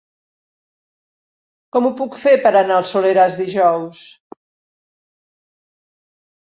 Com ho puc fer per anar al Soleràs dijous?